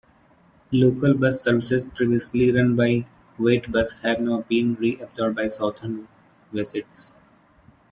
Local bus services previously run by Wightbus have now been re-absorbed by Southern Vectis.